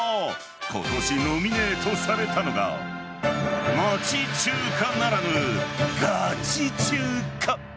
今年ノミネートされたのが町中華ならぬガチ中華。